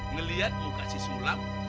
ngeliat muka si sulaw